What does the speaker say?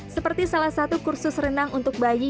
seperti salah satu kursus renang untuk bayi